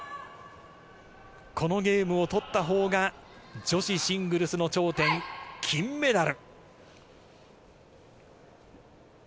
このゲームを取ったほうが女子シングルスの頂点、金メダル。